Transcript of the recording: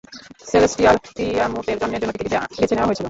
Celestial তিয়ামুতের জন্মের জন্য পৃথিবীতে বেছে নেওয়া হয়েছিলো।